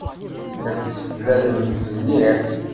La tesseflademt mliḥ?